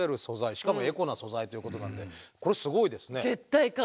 しかもエコな素材ということなんでこれすごいですね。